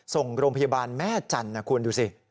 ส่งโรงพยาบาลแม่จันทร์นะคุณดูสิ